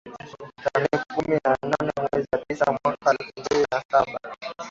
Tarehe kumi na nane mwezi tisa mwaka wa elfu mbili na saba